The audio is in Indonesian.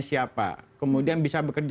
siapa kemudian bisa bekerja